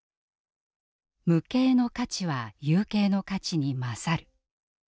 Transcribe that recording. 「無形の価値は有形の価値に優る」。